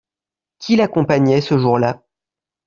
Qui l'accompagnait ce jour-là ?